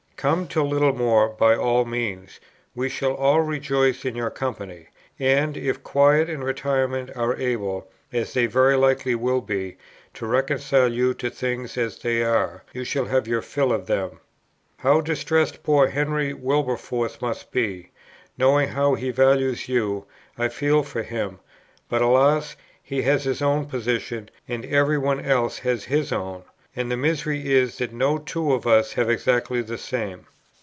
Come to Littlemore by all means. We shall all rejoice in your company; and, if quiet and retirement are able, as they very likely will be, to reconcile you to things as they are, you shall have your fill of them. How distressed poor Henry Wilberforce must be! Knowing how he values you, I feel for him; but, alas! he has his own position, and every one else has his own, and the misery is that no two of us have exactly the same.